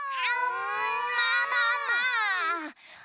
まあまあまあ。